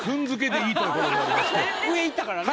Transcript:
上いったからね。